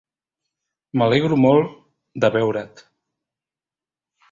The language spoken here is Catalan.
M"alegro molt de veure't.